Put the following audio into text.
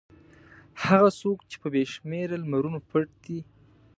هغه څوک چې په بې شمېره لمرونو پټ دی.